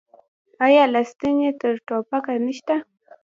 آیا له ستنې تر ټوپکه نشته؟